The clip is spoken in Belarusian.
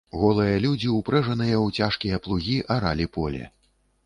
Голыя людзі, упрэжаныя ў цяжкія плугі, аралі поле.